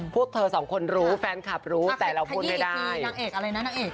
พวกเธอสองคนรู้แฟนคลับรู้แต่เราคุยไม่ได้ไปขยีอีกที